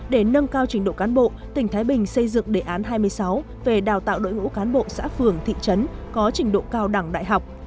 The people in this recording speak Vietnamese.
để nâng cao trình độ cán bộ tỉnh thái bình xây dựng đề án hai mươi sáu về đào tạo đội ngũ cán bộ xã phường thị trấn có trình độ cao đẳng đại học